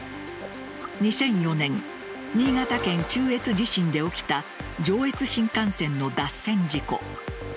２００４年新潟県中越地震で起きた上越新幹線の脱線事故。